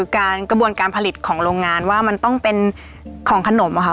การกระบวนการผลิตของโรงงานว่ามันต้องเป็นของขนมอะค่ะ